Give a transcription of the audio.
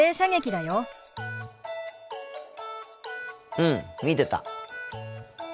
うん見てた。